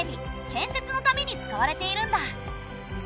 ・建設のために使われているんだ。